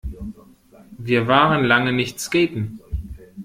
Wir waren lange nicht skaten.